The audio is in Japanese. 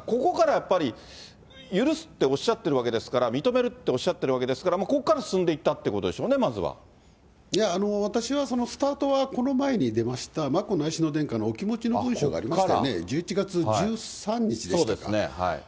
ここからやっぱり、許すっておっしゃってるわけですから、認めるっておっしゃってるわけですから、もうここから進んでいったということでしょうね、いや、私はそのスタートは、この前に出ました、眞子内親王殿下のお気持ちの文書がありましたよね、１１月１３日でしたか。